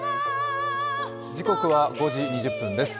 時刻は５時２０分です。